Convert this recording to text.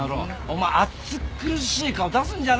お前暑苦しい顔出すんじゃないよ。